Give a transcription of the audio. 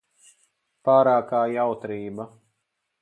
Pārākā jautrība.